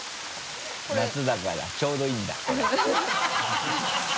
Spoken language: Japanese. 夏だからちょうどいいんだ。ハハハ